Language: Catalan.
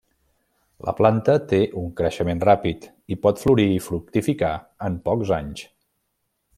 La planta té un creixement ràpid i pot florir i fructificar en pocs anys.